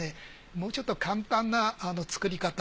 もうちょっと簡単な作り方。